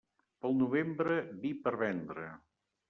Pel novembre, vi per vendre.